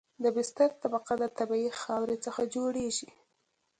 د بستر طبقه د طبیعي خاورې څخه جوړیږي